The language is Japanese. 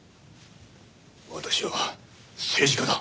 私は政治家だ。